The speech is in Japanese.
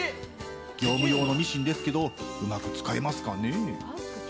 業務用のミシンですけどうまく使えますかね？